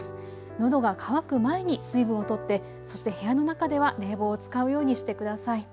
のどが渇く前に水分をとってそして部屋の中では冷房を使うようにしてください。